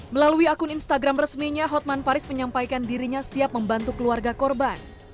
melalui akun instagram resminya hotman paris menyampaikan dirinya siap membantu keluarga korban